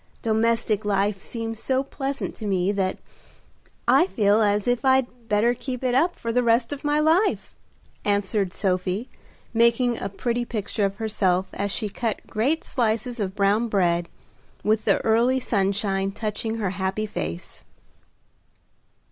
Domestic life seems so pleasant to me that I feel as if I'd better keep it up for the rest of my life," answered Sophie, making a pretty picture of herself as she cut great slices of brown bread, with the early sunshine touching her happy face.